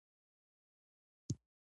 کلي د افغانستان په اوږده تاریخ کې ذکر شوی دی.